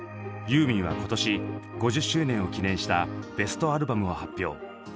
ユーミンは今年５０周年を記念したベストアルバムを発表。